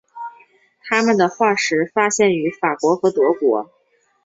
它们的化石发现于法国和德国。